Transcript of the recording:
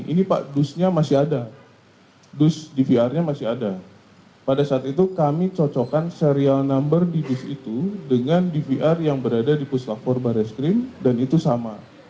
ini pak dusnya masih ada dus dvr nya masih ada pada saat itu kami cocokkan serial number di bus itu dengan dvr yang berada di puslap empat barreskrim dan itu sama